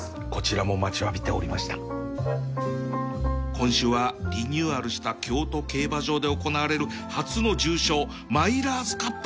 今週はリニューアルした京都競馬場で行われる初の重賞マイラーズカップ